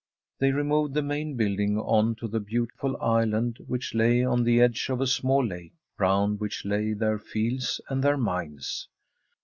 They removed the main building on to the beautiful island which lay on the edge of a small lake, found which lay their fields and their mines.